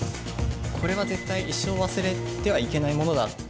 これは絶対、一生忘れてはいけないものだと。